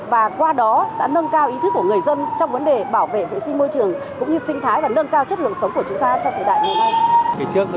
và qua đó đã nâng cao ý thức của người dân trong vấn đề bảo vệ sinh môi trường cũng như sinh thái và nâng cao chất lượng sống của chúng ta trong thời đại ngày nay